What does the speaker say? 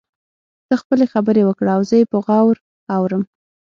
ته خپلې خبرې وکړه او زه يې په غور اورم.